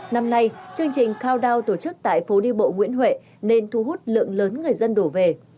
năm nay chương trình cao đao tổ chức tại phố đi bộ nguyễn huệ nên thu hút lượng lớn người dân đổ về